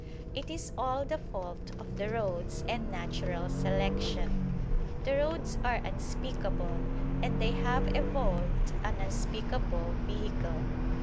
It is all the fault of the roads and natural selection. The roads are unspeakable, and they have evolved an unspeakable vehicle.